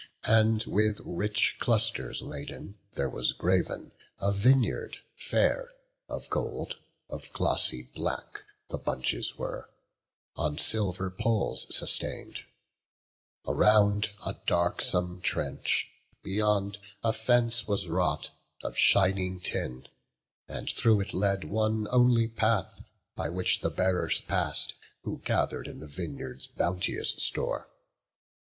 And, with rich clusters laden, there was grav'n A vineyard fair, all gold; of glossy black The bunches were, on silver poles sustain'd; Around, a darksome trench; beyond, a fence Was wrought, of shining tin; and through it led One only path, by which the bearers pass'd, Who gather'd in the vineyard's bounteous store.